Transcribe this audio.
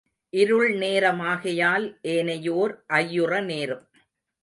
இருள் நேரமாகையால் ஏனையோர் ஐயுற நேரும்.